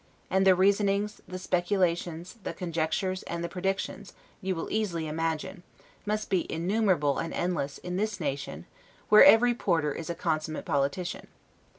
and the reasonings, the speculations, the conjectures, and the predictions, you will easily imagine, must be innumerable and endless, in this nation, where every porter is a consummate politician.